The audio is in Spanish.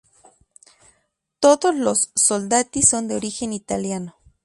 Todos los soldati son de origen Italiano.